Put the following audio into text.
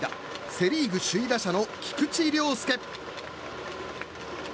セ・リーグ首位打者の菊池涼介。